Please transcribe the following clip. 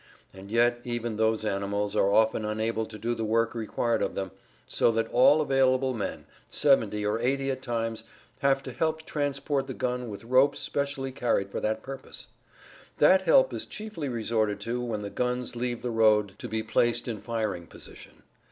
And yet even those animals are often unable to do the work required of them, so that all available men, seventy or eighty at times, have to help transport the gun with ropes specially carried for that purpose. That help is chiefly resorted to when the guns leave the road to be placed in firing position.